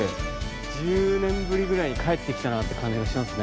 １０年ぶりぐらいに帰ってきたなって感じがしますね。